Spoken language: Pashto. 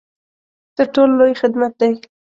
تر ټولو لوی خدمت دی.